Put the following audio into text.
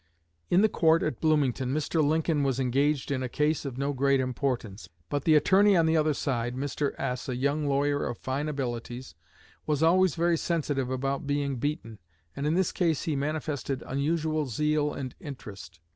"In the court at Bloomington Mr. Lincoln was engaged in a case of no great importance; but the attorney on the other side, Mr. S., a young lawyer of fine abilities, was always very sensitive about being beaten, and in this case he manifested unusual zeal and interest.